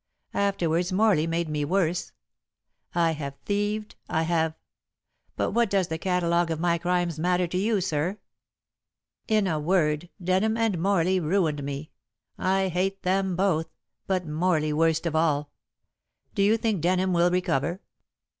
Afterwards Morley made me worse. I have thieved, I have but what does the catalogue of my crimes matter to you, sir? In a word, Denham and Morley ruined me. I hate them both, but Morley worst of all. Do you think Denham will recover?"